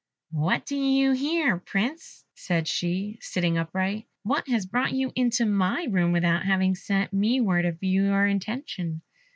"What do you here, Prince?" said she, sitting upright; "what has brought you into my room without having sent me word of your intention?"